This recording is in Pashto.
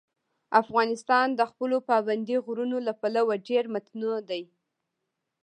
افغانستان د خپلو پابندي غرونو له پلوه ډېر متنوع دی.